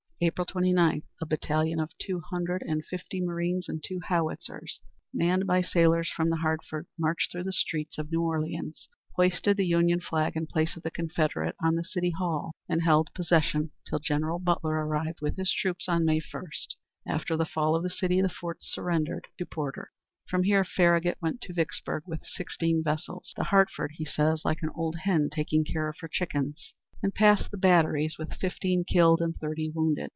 April 29, a battalion of two hundred and fifty marines and two howitzers, manned by sailors from the Hartford, marched through the streets of New Orleans, hoisted the Union flag in place of the Confederate on the city hall, and held possession till General Butler arrived with his troops on May 1. After the fall of the city, the forts surrendered to Porter. From here Farragut went to Vicksburg with sixteen vessels, "the Hartford," he says "like an old hen taking care of her chickens," and passed the batteries with fifteen killed and thirty wounded.